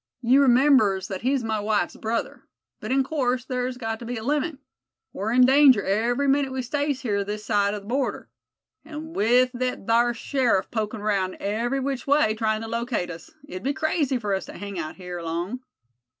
"You remembers that he's my wife's brother. But in course thar's got to be a limit. We're in danger every minit we stays here this side the border. An' with thet thar sheriff pokin' 'raound every which way, tryin' to locate us, it'd be crazy fur us to hang out here long."